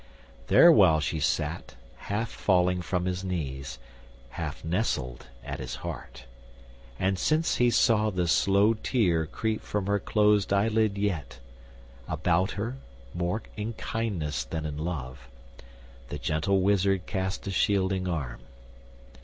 There while she sat, half falling from his knees, Half nestled at his heart, and since he saw The slow tear creep from her closed eyelid yet, About her, more in kindness than in love, The gentle wizard cast a shielding arm.